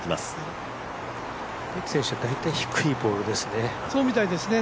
ペク選手、大体低いボールですね。